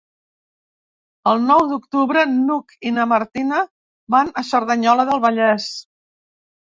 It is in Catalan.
El nou d'octubre n'Hug i na Martina van a Cerdanyola del Vallès.